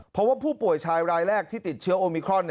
เพราะว่าผู้ป่วยชายรายแรกที่ติดเชื้อโอมิครอน